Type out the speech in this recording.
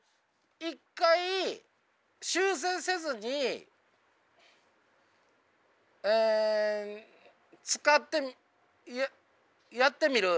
一回修正せずにえ使ってやってみる。